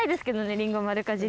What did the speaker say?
りんご丸かじり。